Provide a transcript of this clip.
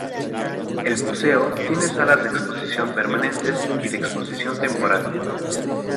El museo tiene salas de exposición permanentes y de exposición temporal.